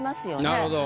なるほど。